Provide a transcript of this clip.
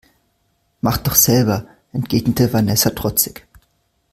Mach doch selber, entgegnete Vanessa trotzig.